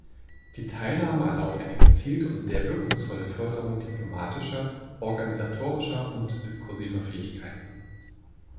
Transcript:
Die Teilnahme erlaubt eine gezielte und sehr wirkungsvolle Förderung diplomatischer, organisatorischer und diskursiver Fähigkeiten.